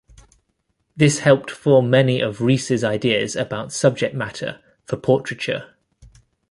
This helped form many of Reiss' ideas about subject matter for portraiture.